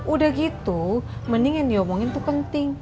udah gitu mending yang diomongin itu penting